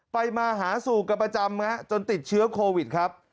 มาหาสู่กันประจำจนติดเชื้อโควิดครับ